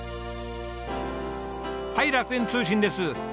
はい楽園通信です。